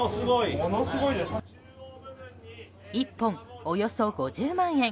１本およそ５０万円。